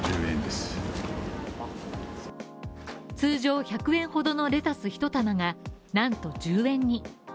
通常１００円ほどのレタス１玉がなんと１０円に。